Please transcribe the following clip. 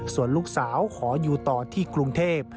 ส่วนลูกสาวขออยู่ต่อที่กรุงเทพ